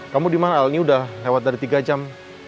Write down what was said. kamu dimana al ini udah lewat dari tiga jam